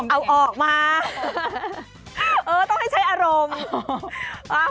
เอาออกมาเออต้องให้ใช้อารมณ์